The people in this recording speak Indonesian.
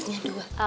s nya dua